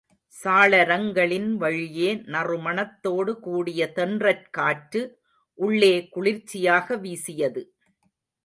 சாளரங்களின் வழியே நறுமணத்தோடு கூடிய தென்றற் காற்று உள்ளே குளிர்ச்சியாக வீசியது.